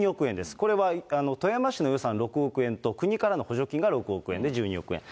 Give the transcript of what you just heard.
これは富山市の予算６億円と、国からの補助金が６億円で１２億円。